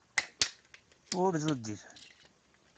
Ur d-udifen.